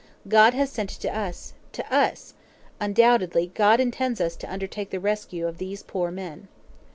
God has sent it to us to us! Undoubtedly God intends us to undertake the rescue of these poor men."